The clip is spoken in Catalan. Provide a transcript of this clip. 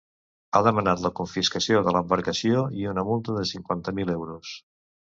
Ha demanat la confiscació de l’embarcació i una multa de cinquanta mil euros.